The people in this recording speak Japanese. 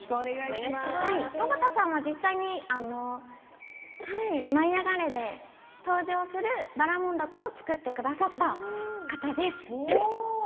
田端さんは実際に「舞いあがれ！」で登場するばらもん凧を作ってくださった方です。